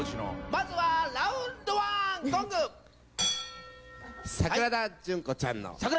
「まずはラウンド１」「ゴング」「桜田淳子ちゃんの」